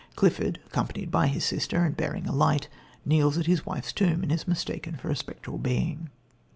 Clifford, accompanied by his sister, and bearing a light, kneels at his wife's tomb, and is mistaken for a spectral being.